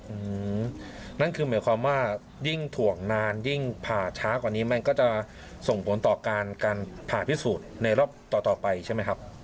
อืมนั่นคือหมายความว่ายิ่งถ่วงนานยิ่งผ่าช้ากว่านี้มันก็จะส่งผลต่อการการผ่าพิสูจน์ในรอบต่อต่อไปใช่ไหมครับ